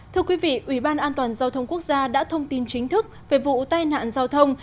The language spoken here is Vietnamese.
thưa quý vị ủy ban an toàn giao thông quốc gia đã thông tin chính thức về vụ tai nạn giao thông